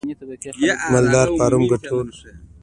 د مالدارۍ فارم ګټور دی؟